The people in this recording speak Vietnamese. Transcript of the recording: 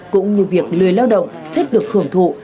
cũng như việc lười lao động hết được hưởng thụ